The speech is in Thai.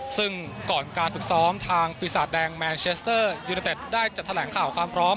ซึ่งก่อนการฝึกซ้อมทางปีศาจแดงแมนเชสเตอร์ยูเนเต็ดได้จัดแถลงข่าวความพร้อม